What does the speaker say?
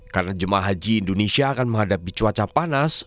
karena jemaah haji indonesia akan menghadapi cuaca panas